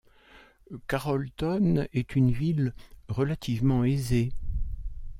Carrollton est une ville relativement aisée.